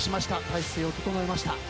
体勢を整えました。